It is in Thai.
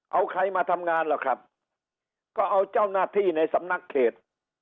เอาใครมาทำงานล่ะครับก็เอาเจ้าหน้าที่ในสำนักเขต